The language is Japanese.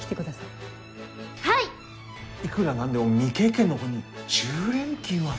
いくら何でも未経験の子に１０連勤は。